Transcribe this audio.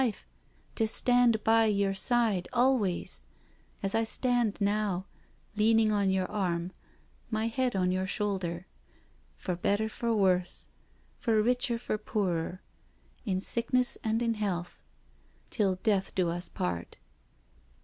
life to stand by your side always, as I stand now, leaning on your arm, my head on your shoulder — for better for worse, for richer for poorer, in sickness and in health, till death us do part."